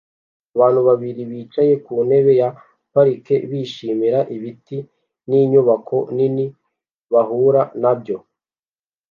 Abantu babiri bicaye ku ntebe ya parike bishimira ibiti n'inyubako nini bahura nabyo